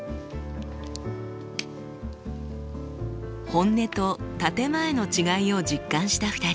本音と建て前の違いを実感した２人。